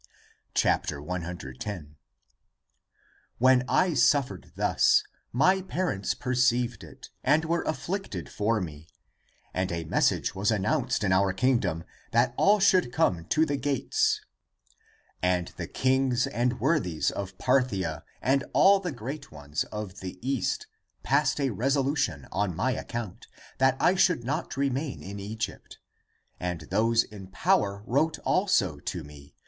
1 10. When I suffered thus 12 Syriac : one anointed. ACTS OF THOMAS 315 My parents perceived it and were afflicted for me. And a message was announced in our kingdom, That all sliould come to the gates. And the kings and worthies of Parthia And all the great ones of the East Passed a resolution on my account, That I should not remain in Egypt. And those in power wrote also to me.